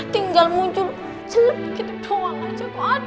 tinggal muncul jelek gitu doang aja kok